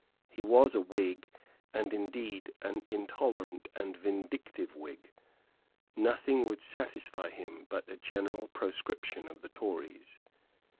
He was a Whig, and indeed an intolerant and vindictive Whig. Nothing would satisfy him but a general proscription of the Tories.